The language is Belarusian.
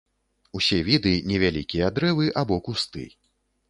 Усе віды невялікія дрэвы або кусты.